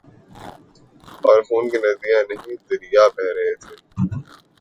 اورخون کی ندیاں نہیں دریا بہہ رہے تھے۔